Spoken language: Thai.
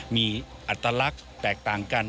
มีอัตลักษณ์แตกต่างกัน